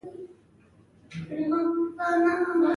کور کې مو ټول ښه وو؟